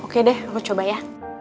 oke deh aku coba ya